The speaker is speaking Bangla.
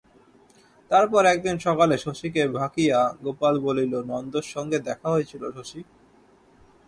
তারপর একদিন সকালে শশীকে ভাকিয়া গোপাল বলিল, নন্দর সঙ্গে দেখা হয়েছিল শশী।